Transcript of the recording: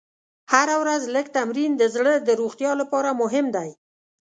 هره ورځ لږ تمرین د زړه د روغتیا لپاره مهم دی.